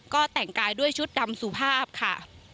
ก็แต่งกายด้วยชุดดำสุภาพค่ะ